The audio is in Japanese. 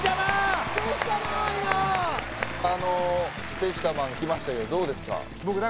セシタマン来ましたけどどうですか？